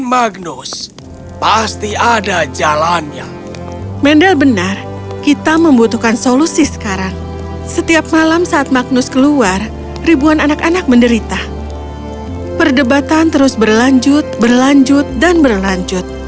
mimpi buruk itu sangat menyenangkan